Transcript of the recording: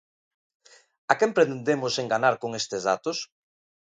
¿A quen pretendemos enganar con estes datos?